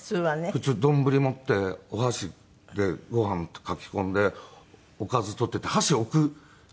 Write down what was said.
普通丼持ってお箸でご飯かきこんでおかず取ってって箸置く暇がないでしょ？